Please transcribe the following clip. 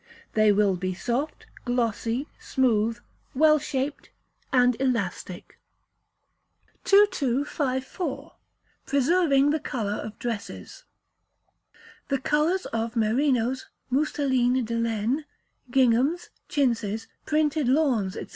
They will be soft, glossy, smooth, well shaped, and elastic. 2254. Preserving the Colour of Dresses. The colours of merinos, mousseline de laines, ginghams, chintzes, printed lawns, &c.